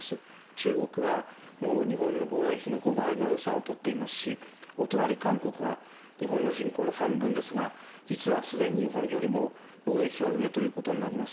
中国はもう日本の防衛費の５倍の予算を取っていますし、お隣、韓国は日本の人口の半分ですが、実はすでに日本よりも防衛費は上ということになります。